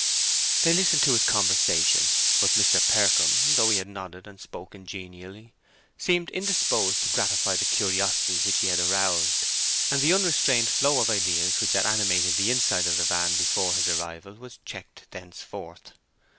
They listened to his conversation, but Mr. Percombe, though he had nodded and spoken genially, seemed indisposed to gratify the curiosity which he had aroused; and the unrestrained flow of ideas which had animated the inside of the van before his arrival was checked thenceforward.